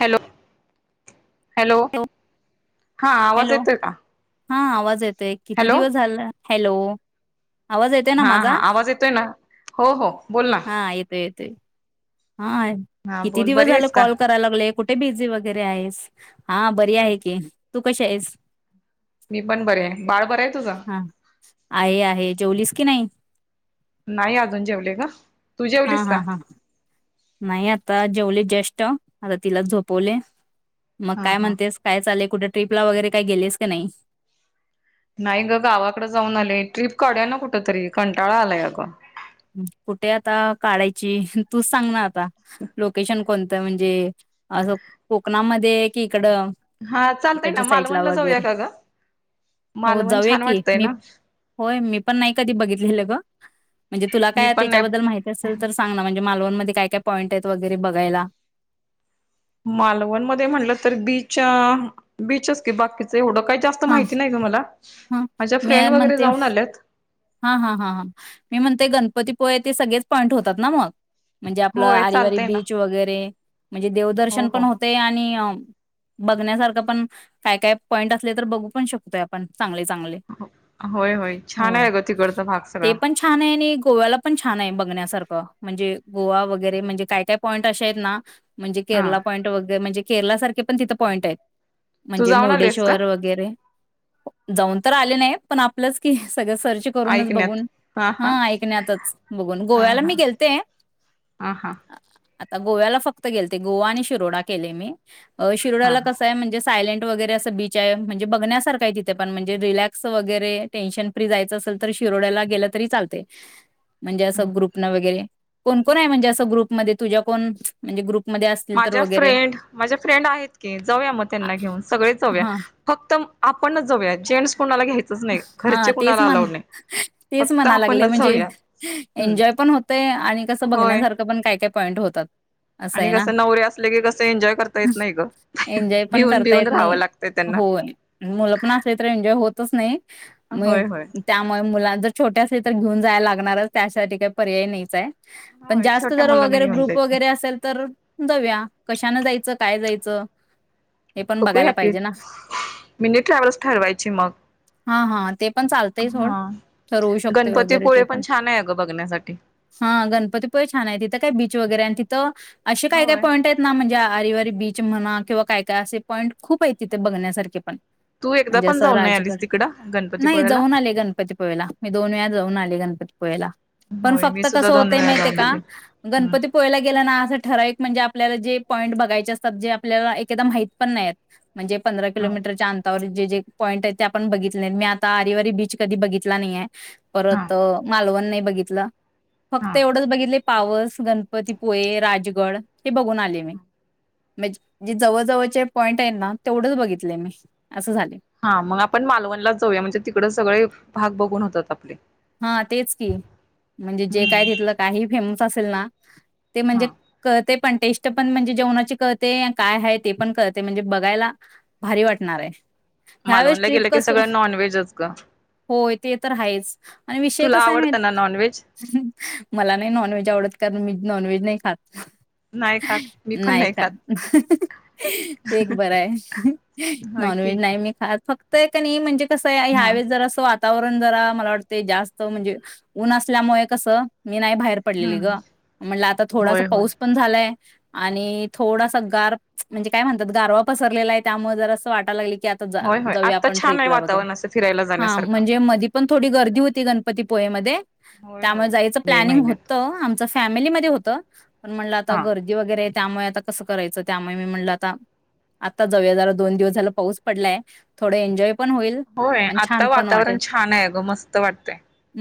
Hello. Hello, हा आवाज hello येतोय का? हा आवाज येत ते किती हॅलो दिवस झाल हॅलो. आवाज येतोय ना हा माझा हा आवाज येतोय ना, हो हो बोल ना. ते. हा हा किती बोल दिवस बरी झाले आहेस का कॉल कराय लागले? कुठे बीझी वगैरे आहेस हा बरी आहे की तू कशी आहेस? मी पण बरे आहे बाळ बरं आहे तुझं? हा आहे आहे जेवलीस की नाही. नाही अजून जेवले का तू हा जेवलीस हा का? हा नाही आता जेवले जस्ट आता तिला झोपवले. मग हा काय हा म्हणतेस काय चालू कुठे ट्रिपला वगैरे काही गेलेस की नाही? नाही ग गावाकड जाऊन आले ट्रिप काढूया ना कुठ तरी कंटाळा आलाय ग. कुठे आता काढायची तूच सांग ना आता लोकेशन कोण त म्हणजे असं कोकणामध्ये की इड हा चालतय ना इकडच्या साईटला मालवणला जाऊया वगैरे का ग हो मालवण जाऊ छान की वाटतय मी ना होय मी पण नाही कधी बघितलेलं ग. म्हणजे तु मी काय पण त्याच्याबद्दल नाही माहिती असेल तर सांग ना मालवण मध्ये काय काय पाईंट वगैरे बघायला. मालवण मध्ये म्हटलं तर बीच बीचच की बाकीच एवढं काही जास्त हा माहिती नाही त मला हा माझ्या मी फ्रेंड वगैरे म्हणते जाऊन आल्यात हा हा हा हां मी म्हणते गणपतीपुळे ते सगळेच पॉईंट होतात ना मग म्हणजे आपलं होय आरे वारे चालतय ना बीच वगैरे म्हणजे हो देवदर्शन हो पण होते आणि बघण्यासारखं पण काय काय पॉइंट असले तर बघू पण शकतोय आपण चांगले चांगले हो होय होय छान आहे ग तिकडचा भाग ते सगळा पण छान आहे आणि गोव्याला पण छान आहे बघण्यासार ख म्हणजे गोवा वगैरे म्हणजे काय काय पॉईंट असे आहेत ना म्हणजे हा केरला पाँइंट वग म्हणजे केरला सारखे पण तिथे पॉईंट आहेत तू म्हणजे जाऊन आलेस का मुर्डेश्वर वगैरे जाऊन तर आले नाही पण आपलंच की सगळं ब हा ऐकण्यातच हा गोव्याला मी हा गेलेथे हा हा गोव्याला फक्त गेलते गोवा आणि शिरोडा केलय मी अ हा शिरोड्याला हा कसं आहे म्हणजे सायलेंट वगैरे असं बीच म्हणे बघण्यासारखंआहे तिथे पण रिलॅक्स वगैरे टेन्शन फ्री जायचं अस शिरोड्याला गे तरी चालते. म्हणजे असं ग्रुप ला वगैरे कोण कोण हाय म्हणजे असं ग्रुपमध्ये तुझ्या कोण म्हणजे ग्रुप माझ्या फ्रेंड माझ्या फ्रेंड आहेत की, जाऊया म आ- त्यांना घेऊन सगळेच जाऊया हा फक्त आपणच जाऊया जेंट्स कुणाला घ्यायचंच नाही हा घरचे तेच कुणाला मन अलाउड नाही तेच फक्त म्हणा लागले आपणच म्हणजे जाऊया एन्जॉय हम्म पण होतय आणि कसं होय बघण्यासारखं पण काय काय पॉईंट होतात असं आणि आहे ना. कसं नवरे असले की कसं एन्जॉय करता येत नाही ग, एन्जॉय पण भिऊून करता भिऊून येत राहावं नाही. लागत त्यांना तस नाही होय मग होय त्यामुळे मुलां जर छोट्या असलीत तर घेऊन जायला लागणारच, त्यासाठी काय पर्याय नाहीच हाय. पण होय जास्त छोट्या जरा मुलांना वगैरे घेऊन ग्रुप जायचं वगैरे असेल तर जाऊया. कशानं जायचं? काय जायचं? हे पण बघूया बघायला की, पाहिजे ना मिनी ट्रॅव्हल्स ठरवायची मग हा हा ते पण चालतय सोड हा तर ठरवू शकतोय वगैरे ते गणपतीपुळे पण छान आहे अगं बघण्यासाठी हा गणपतीपुळे छान आहे, तिथं काय बीच वगैरे तिथं अशे काय काय होय पॉईंट आहेत ना म्हणजा आरीवारी बीच म्हणा किंवा काय काय असे पॉईंट खूप आहे तिथे बघण्यासारखे पण तू एकदा म्हणजे पण असं जाऊन नाही राजगड आलीस तिकड? नाही जाऊन आले गणपतीपुळेला, मी दोन वेळा जाऊन आले गन [unintelligible] पुळेला पण होय मी फक्त कस सुद्धा दोन होत वेळा माहित आहे जाऊन का? आले हम्म गणपती पोळ्याला गेलं ना अस ठरावीक म्हणजे आ आपल्याला जे पॉईंट बघायचे असतात, जे आपल्याला एक एकदा माहित पण नाही आहेत. म्हणजे पंधरा हा किलोमीटरच्या अंतावरील जे जे पॉईंट आहेत त्या पण बघितलेत मी आता आरिवारी बीच कधी बघितला नाहीेये. हा परत मालवण नाही बघित ला फक्त हा एवढंच बघितले पावस, गणपतीपुळे, राजगड हे बघून आलीये मी म्हणजे जे जवळ जवळचे पॉईंट आहेत ना, तेवढंच बघितलय मी असं झालय. हा मग आपण मालवणलाच जाऊया म्हणजे, तिकडं सगळे भाग बघून होतात आपले हा तेच की म्हणजे, जे काय हम्म तिथलं काही फेम असेल ना ते म्हणजे हा क ते पण टेस्ट पण म्हणजे जेवणाची कळते काय आहे ते पण कळते म्हणजे बघायला भारी वाटणार आहे. ह्यावेेळेस मालवणला ट्रिप गेलं की कसं सगळं नॉनव्हेजच का? होय ते तर हायच आणि विषय कसा माहित ना नॉनव्हेज मला नाही नॉनव्हेज आवडत कारण मी नॉनव्हेज नइ खात. नाही खात मी पण नायी नाही खात ते एक बरये होय नॉन की व्हेज नायी मी खात. फक्त ये का नयी म्हणजे कसये हम्म ह्यावेळेस जर अस वा तववरंदरा मला वाटत ते जास्त म्हणजे ऊन असल्यामुळे कस मी नायी भाहेर पडलेली ग, हम्म म्हटल आता थोडासा होय होय पाऊस पण झालाय आणि थोडासा गार पच म्हणजे काय म्हणतात गारवा पसरलेला ये त्यामुळे जर अस वाटाय लागल क होय होय जाऊया आत्ता आपण छान ट्रिप आहे ला वगेरे, वातावरण असं फिरायला हा जाण्यासारखं. म्हणजे मधी पण थोडी गर [unintelligible] होती गणपतीपुळ्यामधे त होय आमा होय जायच मे प्लँनिंग महिन्यात होत्त आमचा फॅमिलीमधे होत पण म्हणल आता हा गर्दी वगरे त्यामुये आता कस करायच त्यामुये मी म्हणल आता आता जवूया जरा दोन दिवस झाला पाऊस पडलाय थोडं एन्जॉय पण होईल होय, आणि आता छान पण वाटेल वातावरण छान आहे अ ग मस्त वाटतय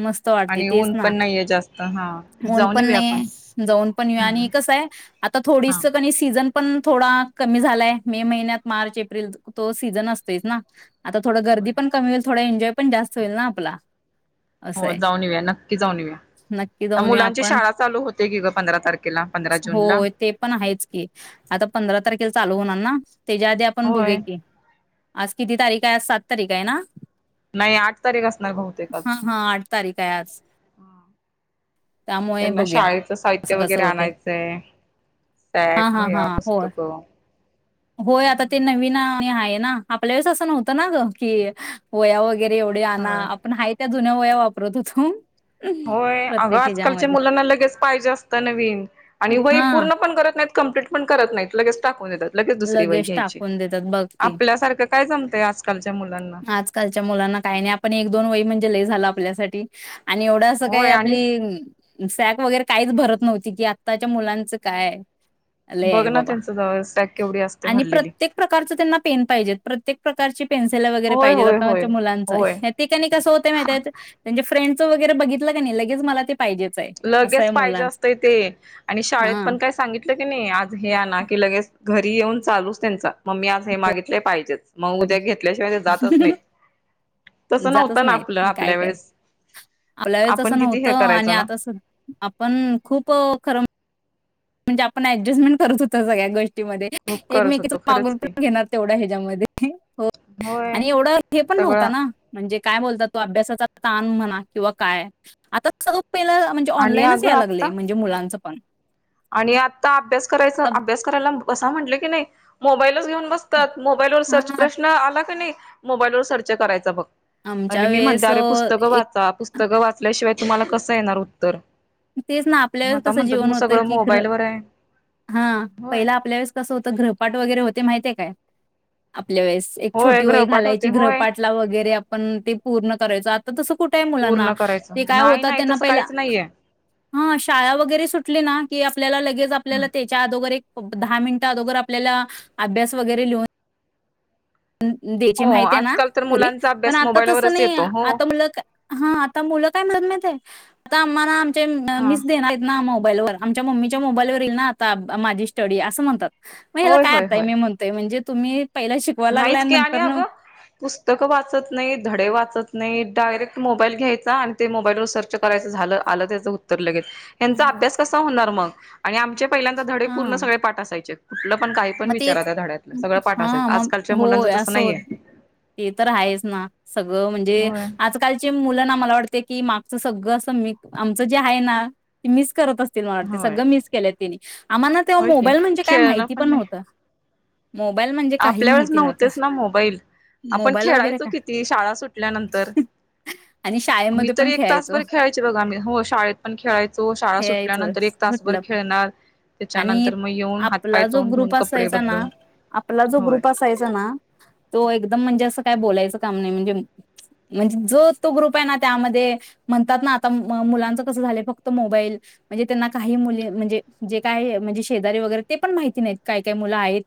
मस्त वाटते आणि तेच ऊन ना, पण नाहीये जास्त हा ऊन जाऊन पण येऊया आपण नाही, जाऊन, पण ये आणि हम्म कसं आहे आता थोडी हा सिजन पण थोडा कमी झालाय मे महिन्यात मार्च एप्रिल त तो सीझन असतोयच ना. आता थोड गर्दी होय पण होय कमी होईल थोडा एनजॉय पण जास्त होईल ना आपला. हो असये, जाऊन येऊया नक्की जाऊन येऊया नक्की जाऊन येउ मुलांची आपण, शाळा चालू होते की ग पंधरा तारखेला पंधरा जून ला हो, ते पण हायच की आता पंधरा तारखेला चालू होणार ना? त्याच्या आधी आपण बघूया होय की? आज किती तारीख आयेना, आज सात तारीख आयेना? नायी आट तारीख असत बहतेकच हा आठ तारीख आहे आज त्यामुळे त्यांना बघूया शाळेच साहित्य असं कसं वगैरे होते आणायचय हा सॅक हा हा व्हया होय पुस्तक. होय आता ते नवीन आ आहे ना? आपल्या वेळेस अस नव्हत ना की वोया वगर एवडे आणा होय आपण आहे त्यात जुन्या वया वापरात होतु होय अग आजकालच्या मुलांना लगेच पाइजे असत नवीन आणि वही हा पूर्ण पण करत नाइत कंप्लिट पण करत नाइत लगेच टाकून देतात. लगेच दुसरी वही लगेज घ्यायची टाकून देतात बघ की, आपल्यासारखं काय जमतंय आजकालच्या मुलांना आजकालच्या मुलांना कायी नयी आपण एक दोन वय म्हणजे लय झाला आपल्यासाटी. आणि एवढ अस काही होय आणि आपली सॅक वगरे काहीच भरत नव्हती की आता ताच्या मुलांच काय. लय आहे बघ ना बाबा. त्यांचं सॅक केवढी असते आणि भरलेली प्रत्येक प्रकारच त्यांना पेन पाहिजेत. प्रत्येक एक प्रकारची पेन्सिला वगैरे होय पाहिजेत होय आता होय आमच्या मुलांच होय ते कनी कस होते माहितीये त? त्यांचे फ्रेंड च वगैरे बघितलं का नाही लगेच मला ते पाहिजेच आहे असं लगेच आहे पाहिजे मुलांच असतंय ते, आणि शाळेत हा पण काय सांगितलं की नाही आज हे आना की लगेच घरी येऊन चालूच त्यांचा. मम्मी आज हे मागितले पाहिजेच. म उद्या घेतल्याशिवाय ते जातच नाहीत. तसं जातच नव्हतं ना नाहीत. आपलं काय आपल्या कर वेळेस आपल्या वेळेस आपण असं किती हे नव्हतं आणि करायचो ना आता स आपण खूप खरं म् म्हणजे, आपण ऍडजस्टमेंट करत होत सगळ्या गोष टीमध्ये खूप करत एकमेकींच होतो खरंच मागून की पण घेणार तेवढ्या ह्याच्यामध्ये हो होय आणि एवढं हे पण सगळं नव्हतं ना म्हणजे, काय बोलता तो अभ्यासाचा ताण म्हणा किंवा काय आता सग पहिल म्हणजे, आणि ऑनलाईनच अगं याय लागले आता म्हणजे मुलांचं. पण आणि आता अभ्यास करायचं आता अभ्यास करायला ब बसा म्हटलं की नाही मोबाईल लच घेऊन बसतात. मोबाईल व सर्च हां प्रश्न आला का नाही, मोबाईल वर सर्च करायचं बघ. आणि आमच्या मी म्हणते वेळेस अरे पुस्तकं एक वाचा? पुस्तकं वाचल्याशिवाय तुम्हाला कसं येणार उत्तर? तेच ना आपल्या मग वेळेस आता कसं म्हणतात मग जीवन होतं सगळं की ग्रह, मोबाईलवर आहे हां. होय पहिले आपल्या वेळेस कसं होतं ग्रहपाठ वेगरे होतेय माहितीये काय? आप आपल्या वेळेस एक होय छोटी वही ग्रहपाठ घालायची होते होय ग्रहपाटला वगैरे आप पण ते पूर्ण करायचो. आत तस कुठं आहे मुलांना? पूर्ण करायचं ते काय नाही होतं नाही त्यांना तसं पहिला काहीच नाहीये हां शाळा वगैरे सुटली ना की आपल्याला लगेच आपल्याला त्याच्या आदो वर एक प दहा मिनिट आदोगर आपल्याला अभ्यास वगरे लिहून दे द्यायची, हो माहिती आहे ना आजकाल तर पूर्वी? मुलांचा पण अभ्यास आता तसं मोबाईलवरच नाही येतो हो आता मुलं का हां आता मुलं काय म्हण माहित [unintelligible] हा मिच देणार मग मोबाईलवर आमच्या मम्मीच्या मोबाईलवर ईल ना आता माझी स्टडी असं म्हणतात. मग ह्याला होय काय होय आपाय होय मी म्हणतोय म्हणजे तुम्ही पहिल नाहीच की आलं आणि अगं पुस्तकं वाचत नाही धडे वाचत नाहीत डायरेक्ट मोबाईल घ्यायचा आणि ते मोबाईलवर सर्च करायच झालं आलं त्याचं उत्तर लगेच. यांचा अभ्यास कसा होणार मग? आणि आमचे पहिल्यांदा धडे पूर्ण हां. सगळे पाठ असायचे. कुठलं पण काही पण विचारा त्या धड्यातलं सगळं पाठ असायचं. मंग आजकालच्या मुलांचं होय तसं असं होत नाहीये ते तर आहेच ना सगळं म्हणजे होय आजकालच्या मुल ना मला वाटते की मा सगळं अस मी आमचं जे हाय ना ते मिच करत अ असेल मला वाटतंय होय सगळं मीस केलय तेनी. आमाला तेंव्हा होय की मोबाईल म्हणजे काय खेळणं माहिती पण नाही न्हव आपल्या वेळेस नव्हतं नव्हतेच ना मोबाईल आपण मोबाईल वगैरे खेळायचो काय किती शाळा सुटल्यानंतर. आणि मी शाळेमध्ये तर पण एक खेळायचो तासभर खेळायचे बघा मी हो शाळेत पण खेळायचो शाळा खेळायचं सुटल्यानंतर एक तासभर सुटलं पण खेळणार आणि त्याच्यानंतर मग येऊन हातपाय आपला जो तोंड धुवून ग्रुप कप कपडे असायचा ना बदलून आपला जो ग्रुप असायचा ना तो एकदम म्हणजे अस काय बोलायचं काम नाई म्हणजे म्हणजे जो तो ग्रुप हाय ना त्यामध्ये म्हणतात ना आता म मुलांच कसं झालंय फक्त मोबाईल म्हणजे त्यांना काही मुली म्हणजे जे काय म्हणजे शेजारी वगैरे ते पण माहिती नाहीत. काय काय मुलं आहे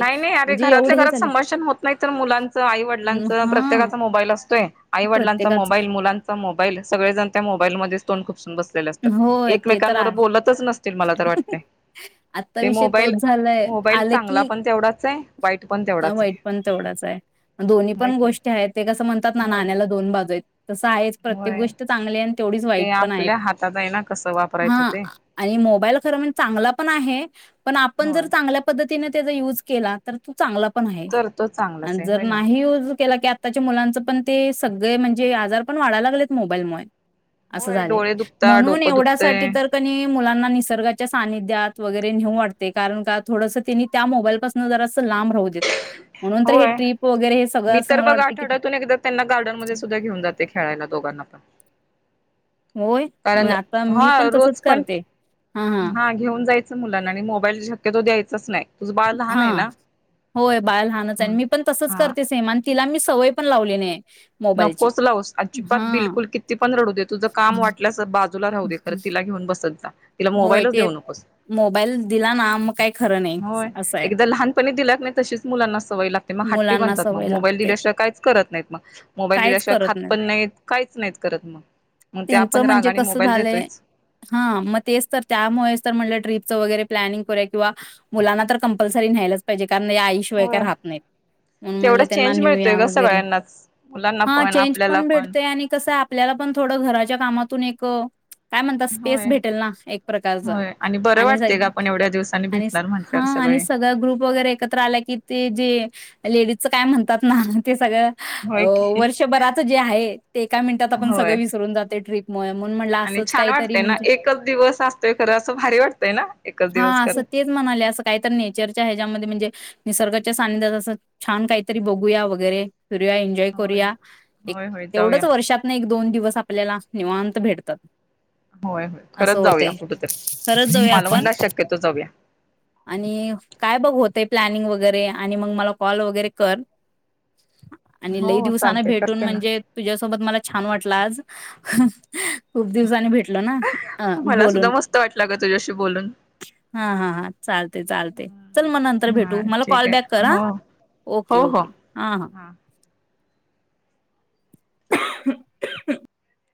नाई नाई अरे घरातल्या घरात संभाषण होत नाई तर मुलांचं आई वडिलांच हम्म, हा प्रत्येकाचा मोबाईल असतोय आई वडिलांचा प्रत्येकाच मोबाईल मुलांचा मोबाईल सगळेजण त्या मोबाईलमधेच तोंड खुपसुन बस सलेले असतात. होय ते तर एकमेकांबरो आहे बोलतच नस तिल मला तर वाटतयं. ते मोबाईल मोबाईल चांगला पण तेवढाच आहे वाईट पण अ तेवढाच वाईट आहे पण तेवढाच हाय. दोन्ही होय पण की गोष्टी आहेत ते कस म्हण असतात ना होय नाण्याला दोन बाजू [inaudible] तसं आहेच प्रत्येक होय गोष्ट चांगल्या आ ते आपल्या हातात हाय ना कसं वापरायचं हां ते. आणि मोबाईल खर म्हणज चांगला पण आहे पण आपण जर होय चांगल्या पद्ध तिनं त्याचा युज केला तर तु चांगला पण आहे तर तो चांगलाच आन आहे जर होय ना नाही युज केला कि आत्ताच्या मुलांच पण तेच सगळे म्हणजे आजार पण वाढाय लागलेत मोबाईलमुळे. असं होय झालय. डोळे दुखता म्हणून डोकं एवढ्यासाठी दुखतय तर क नई मुलांना निसर्गाच्या सानिध्यात वगैरे निहू वाटतय कारण का थोडस तेनी त्या मोबाईल पासन जरा लांब राहू देत. म्हणून तर हे होय. ट्रिप वगैरे हे सगळं मी असं तर मला बघ वाटतं की आठवड्यातून एकदा त्यांना गार्डनमध्ये सुद्धा घेऊन जाते खेळायला दोघांना. [inaudible] होय? अ कारण आता मी पण हा तसच रोज करते. हा हा. अस मुलांना आणि मोबाईल शक्यतो द्यायचाच नाय. तुझं बाळ लहान हाय हां. ना? होय, बाळ लहानच हाय आन मी पण तसच हा करते सेम आन ती तिला मी सवय पण लावली नीये. नकोच लावुस अजिबात बिलकुल किती पण रडू दे तुझं काम वाटल्यास बाजू बाजूला राहू दे, खर तिला घेऊन बसत जा तिला होय मोबाईलच ते देऊ नकोस मोबाईल दिला ना म काय होय एकदा लहानपणी दिलात नाही तशीच मुलांना सवय लागते मग हाट्टी मुलांना बनतात मग सवय मोबाईल लागते. दिल्याशिवाय काहीच करत नाहीत मग मोबाईल काहीच दिल्याशिवाय खात करत पण नाहीत काहीच नाहीत करत मग मग ते त्यांचं आपण राग म्हणजे आणि कसं मोबाईल झालंय देतोयच हां, मग तेच तर त्यामुळेच तर म्हटलं ट्रिपचं वगैरे प्लॅनिंग करूया किंवा मुलांना तर कम्पल्सरी न्यायलाच पाहिजे. कारण हे आईशिवाय काय होय राहत नाहीत, म्हणून म्हणल तेवढा त्यांना चेंज मिळतोय नेऊया ग वगैरे सगळ्यांनाच मुलांना हा पण चेंज आपल्याला पण भेटतोय आणि कस आप आपल्याला पण थोडं घराच्या कामातून एक काय म्हणतात स्पेस होय भेटल ना. एक प्रकारचा होय बरं आणि स वाटते का आपण एवढ्या दिवसांनी आणि भेटणार हा म्हटल्यावर आणि सगळे सगळ ग्रुप वगैरे एकत्र आला की ते जे लेडीजचं काय म्हणतात ना ते सगळ होय की वर्षभराच जे आहे ते एका मिनटात आपण सगळं होय विसरून जातोय ट्रीप म म्हणुन म्हटलं आणि असंच छान काहीतरी वाटतय ना म्हणजे एकच दिवस असतोय खरं असं भारी वाटतय ना एकच दिवस हां, खर असं तेच म्हणाले, असं काहीतरी नेचरच्या ह्याच्यामध्ये म्हणजे निसर्गाच्या सानिध्यात अस छान काहीतरी बघूया वगैरे, फिरुया, एन्जॉय होय करूया एक होय होय जाऊया तेवढच वर्षात एक दोन दिवस च आपल्याला निवांत भेटतात. होय होय असं खरंच जाऊया होतेय कुठ तरी खरच जाऊया मला आपण म्हणला शक्यतो जाऊया. आणि काय बघ होतय प्लॅनिंग वगैरे आणि मग मला कॉल वगैरे कर आणि लई हो दिवसान चालते भेटून करते ना. म्हणजे तुझ्यासोबत मला छान वाटलं आज हह खूप दिवसांनी भेटलो ना. अ मला सुद्धा बोलून मस्त वाटलं ग तुझ्याशी बोलून. हां हां हां चालतयं चालतयं, चल मग नंतर हा भेटू. मला ठीक कॉल आहे बॅक कर ह हो ओके हो हो ओके हां हां. हा. [unintelligible]